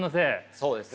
そうですね。